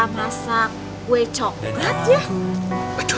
masak kue coklat ya